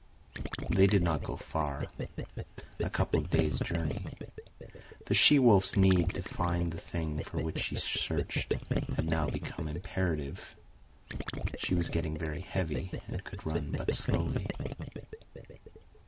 They did not go far—a couple of days' journey. The she wolf's need to find the thing for which she searched had now become imperative. She was getting very heavy, and could run but slowly.